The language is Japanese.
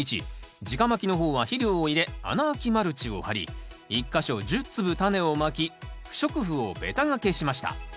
じかまきの方は肥料を入れ穴あきマルチを張り１か所１０粒タネをまき不織布をべた掛けしました。